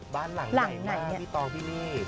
บ้านหลังไหนมากพี่ตองที่นี่